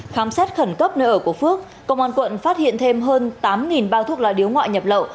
khám xét khẩn cấp nơi ở của phước công an quận phát hiện thêm hơn tám bao thuốc lá điếu ngoại nhập lậu